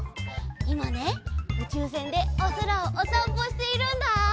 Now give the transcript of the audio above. いまねうちゅうせんでおそらをおさんぽしているんだ。